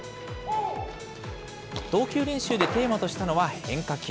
投球練習でテーマとしたのは、変化球。